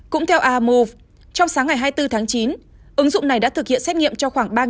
cũng theo ahamove trong sáng ngày hai mươi bốn tháng chín ứng dụng này đã thực hiện xét nghiệm cho khoảng ba shipper